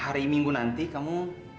hari minggu nanti kamu